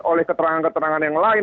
oleh keterangan keterangan yang lain